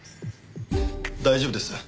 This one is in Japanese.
大丈夫です。